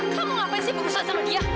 kamu ngapain sih berusaha sama dia